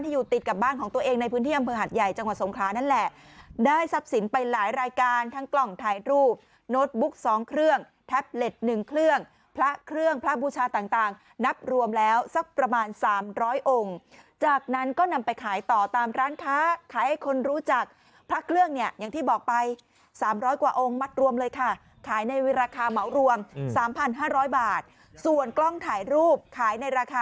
อยู่ติดกับบ้านของตัวเองในพื้นที่อำเภอหัดใหญ่จังหวัดสงขลานั่นแหละได้ทรัพย์สินไปหลายรายการทั้งกล่องถ่ายรูปโน้ตบุ๊ก๒เครื่องแท็บเล็ต๑เครื่องพระเครื่องพระบูชาต่างนับรวมแล้วสักประมาณ๓๐๐องค์จากนั้นก็นำไปขายต่อตามร้านค้าขายให้คนรู้จักพระเครื่องเนี่ยอย่างที่บอกไป๓๐๐กว่าองค์มัดรวมเลยค่ะขายในราคาเหมารวม๓๕๐๐บาทส่วนกล้องถ่ายรูปขายในราคา